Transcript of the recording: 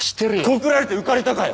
告られて浮かれたかよ